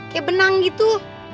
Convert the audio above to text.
kayak benang gitu